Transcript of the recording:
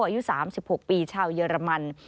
อายุ๓๖ปีชาวเยอรมัน